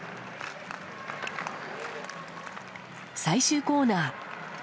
最終コーナー。